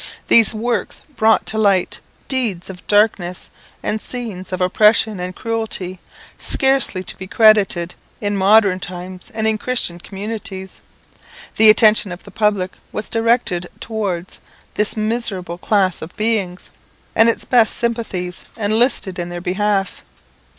These works brought to light deeds of darkness, and scenes of oppression and cruelty, scarcely to be credited in modern times and in Christian communities. The attention of the public was directed towards this miserable class of beings, and its best sympathies enlisted in their behalf.